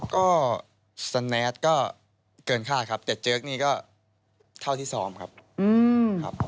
ก็สแนตก็เกินคาดครับแต่เจิ๊กนี่ก็เท่าที่ซ้อมครับครับ